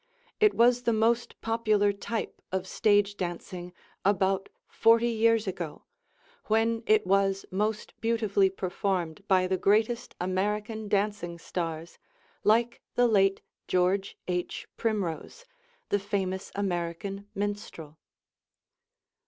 It was the most popular type of stage dancing about forty years ago, when it was most beautifully performed by the greatest American dancing stars like the late George H. Primrose, the famous American minstrel.